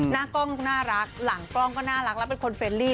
หน้ากล้องน่ารักหลังกล้องก็น่ารักแล้วเป็นคนเฟรลี่